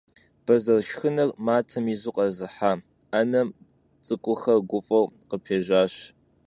Бэзэр шхыныр матэм изу къэзыхьа анэм цӀыкӀухэр гуфӀэу къыпежьащ.